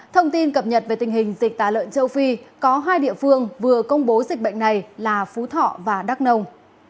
thông tin cập nhật về tình hình dịch tả lợn châu phi có hai địa phương vừa công bố dịch bệnh này là phú thọ và đắk nông